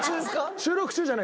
収録中じゃない。